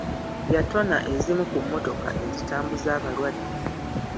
Yatona ezimu ku mmotoka ezitambuza abalwadde.